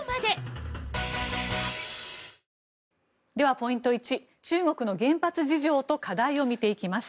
ポイント１中国の原発事情と課題を見ていきます。